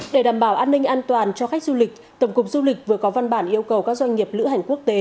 để đảm bảo an ninh an toàn cho khách du lịch tổng cục du lịch vừa có văn bản yêu cầu các doanh nghiệp lữ hành quốc tế